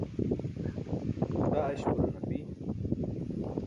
taa eśpuran api